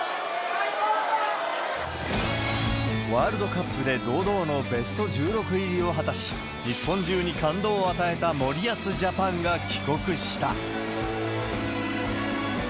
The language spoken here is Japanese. ワールドカップで堂々のベスト１６入りを果たし、日本中に感動を与えた森保ジャパンが帰国した。